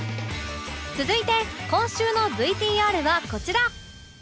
続いて今週の ＶＴＲ はこちら